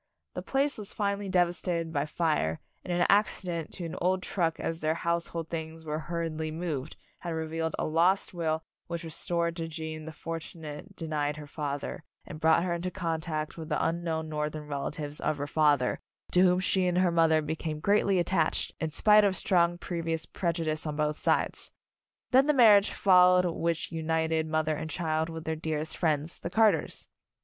The place was finally devastated by fire, and an accident to an old trunk as their household things were hurriedly moved, had revealed a lost will which restored to Gene the fortune denied her father, and An Announcement Party brought her into contact with the un known Northern relatives of her father, to whom she and her mother became greatly attached, in spite of strong pre vious prejudice on both sides. Then the marriage followed which united mother and child with their dearest friends, the Carters.